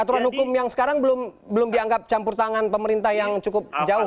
aturan hukum yang sekarang belum dianggap campur tangan pemerintah yang cukup jauh